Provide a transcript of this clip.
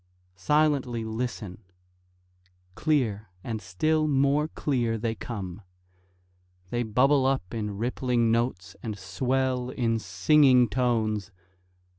Silently listen! Clear, and still more clear, they come. They bubble up in rippling notes, and swell in singing tones.